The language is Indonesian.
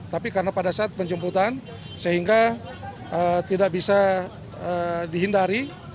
tapi karena pada saat penjemputan sehingga tidak bisa dihindari